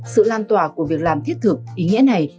sự lan tỏa của việc làm thiết thực ý nghĩa này